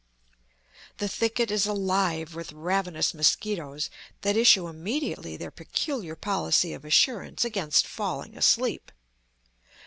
The thicket is alive with ravenous mosquitoes that issue immediately their peculiar policy of assurance against falling asleep.